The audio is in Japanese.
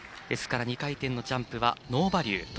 ですから２回転のジャンプはノーバリュー。